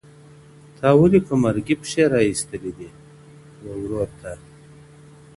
o تا ولي په مرګي پښې را ایستلي دي وه ورور ته.